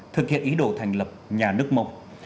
thực hiện ý đồ thành lập nhà nước mông